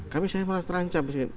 kami saya malah terancam